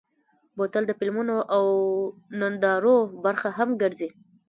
بوتل د فلمونو او نندارو برخه هم ګرځي.